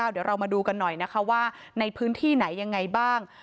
เดี๋ยวเรามาดูกันหน่อยนะคะว่าในพื้นที่ไหนยังไงบ้าง